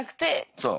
そう。